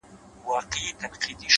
دعا . دعا .دعا . دعا كومه.